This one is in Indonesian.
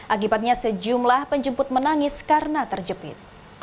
akibatnya sejumlah penjemput menangis karena terjepit